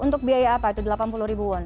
untuk biaya apa itu rp delapan puluh